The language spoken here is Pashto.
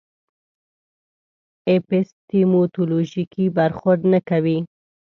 اپیستیمولوژیک برخورد نه کوي.